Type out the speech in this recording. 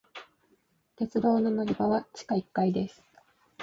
鉄道の乗り場は地下一階です。